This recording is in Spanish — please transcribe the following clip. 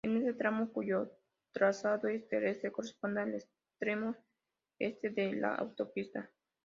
Este tramo, cuyo trazado es terrestre, corresponde al extremo este de la autopista.